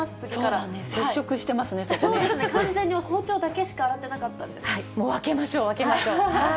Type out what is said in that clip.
そうですね、接触してますね、完全に包丁だけしか洗ってなもう分けましょう、分けましょう。